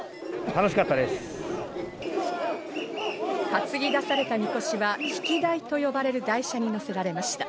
担ぎ出されたみこしは曳台と呼ばれる台車にのせられました。